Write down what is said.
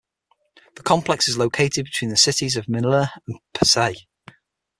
The complex is located between the cities of Manila and Pasay.